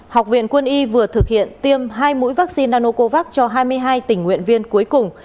học viện quân y vừa thực hiện tiêm hai mũi vaccine nanocovax cho hai mươi hai tình nguyện viên cuối cùng